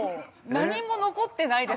何も残ってないです